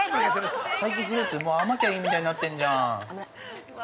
◆最近フルーツ、甘きゃいいみたいになってんじゃん。